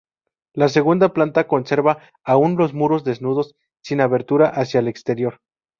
La segunda planta conserva aún los muros desnudos, sin abertura hacia el exterior.